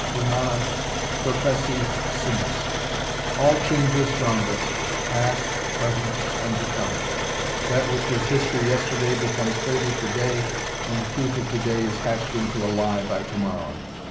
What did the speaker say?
Humana perpessi sumus All changes round us, past, present, and to come; that which was history yesterday becomes fable to day, and the truth of to day is hatched into a lie by to morrow.